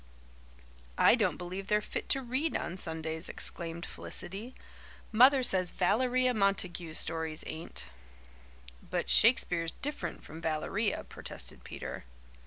"I don't believe they're fit to read on Sundays," exclaimed Felicity. "Mother says Valeria Montague's stories ain't." "But Shakespeare's different from Valeria," protested Peter.